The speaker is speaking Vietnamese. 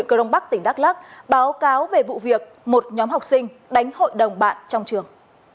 cơ đông bắc tỉnh đắk lắc báo cáo về vụ việc một nhóm học sinh đánh hội đồng bạn trong trường